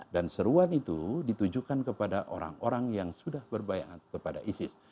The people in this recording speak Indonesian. dan seruan itu ditujukan kepada orang orang yang sudah berbayang kepada isis